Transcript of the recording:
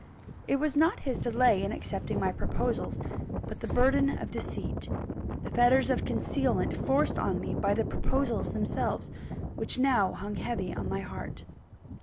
It was not his delay in accepting my proposals, but the burden of deceit, the fetters of concealment forced on me by the proposals themselves, which now hung heavy on my heart.